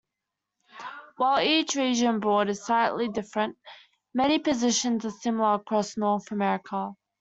While each region's board is slightly different, many positions are similar across North America.